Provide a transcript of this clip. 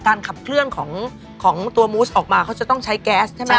ขับเคลื่อนของตัวมูสออกมาเขาจะต้องใช้แก๊สใช่ไหม